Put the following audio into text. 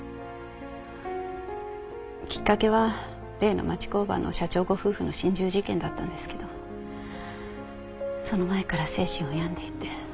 きっかけは例の町工場の社長ご夫婦の心中事件だったんですけどその前から精神を病んでいて。